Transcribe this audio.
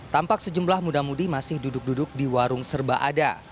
tampak sejumlah muda mudi masih duduk duduk di warung serba ada